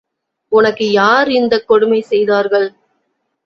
உனக்கு யார் இந்தக் கொடுமை செய்தார்கள்.